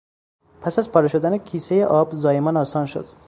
پس از پاره شدن کیسهی آب، زایمان آسان شد.